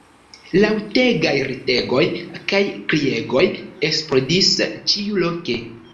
Laŭtegaj ridegoj kaj kriegoj eksplodis ĉiuloke.